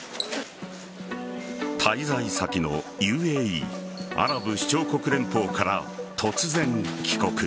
滞在先のＵＡＥ＝アラブ首長国連邦から突然、帰国。